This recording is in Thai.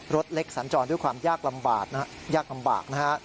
รถเล็กสันจรด้วยความยากลำบากนะฮะ